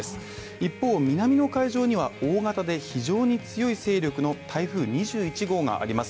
一方南の海上には、大型で非常に強い勢力の台風２１号があります。